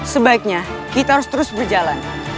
sebaiknya kita harus terus berjalan